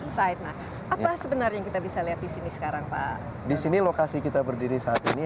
site nah apa sebenarnya yang kita bisa lihat di sini sekarang pak di sini lokasi kita berdiri saat ini